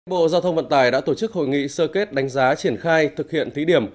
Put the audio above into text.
bộ giao thông vận tải đã tổ chức hội nghị sơ kết đánh giá triển khai thực hiện thí điểm